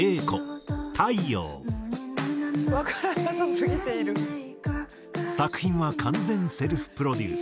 「わからなさすぎている」作品は完全セルフプロデュース。